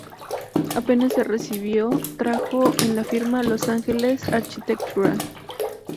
Apenas se recibió trabajó en la firma "Los Angeles Architectural".